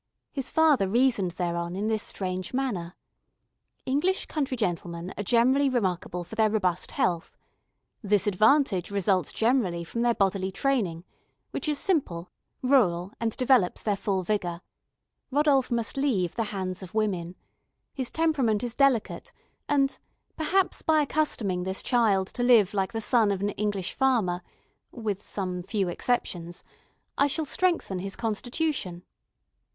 His father reasoned thereon in this strange manner: "English country gentlemen are generally remarkable for their robust health. This advantage results generally from their bodily training, which is simple, rural, and develops their full vigour. Rodolph must leave the hands of women; his temperament is delicate, and, perhaps, by accustoming this child to live like the son of an English farmer (with some few exceptions), I shall strengthen his constitution."